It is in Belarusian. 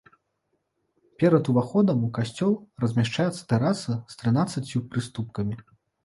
Перад уваходам у касцёл размяшчаецца тэраса з трынаццаццю прыступкамі.